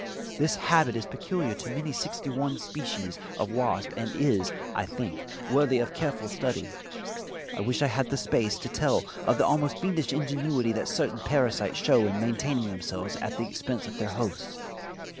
This habit is peculiar to many species of wasp and is, I think, worthy of careful study. I wish I had space to tell of the almost fiendish ingenuity that certain parasites show in maintaining themselves at the expense of their hosts.